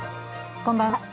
こんばんは。